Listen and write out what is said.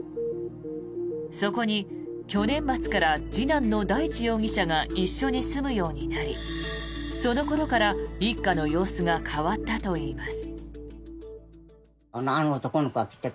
そこに去年末から次男の大地容疑者が一緒に住むようになりその頃から一家の様子が変わったといいます。